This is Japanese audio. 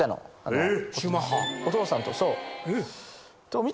お父さんとそう。